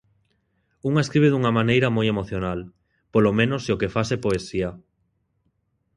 Unha escribe dunha maneira moi emocional, polo menos se o que fas é poesía.